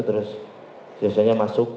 terus joshua nya masuk